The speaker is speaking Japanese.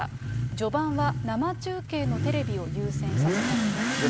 序盤は生中継のテレビを優先させたということです。